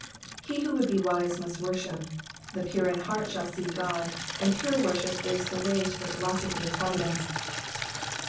^^ He who would be wise must worship. The pure in heart shall see God, and pure worship is the way to the philosophy of providence.